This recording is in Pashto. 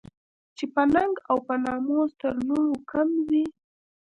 چې په ننګ او په ناموس تر لوڼو کم وي